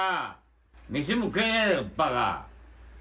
飯も食えねえよ、ばか。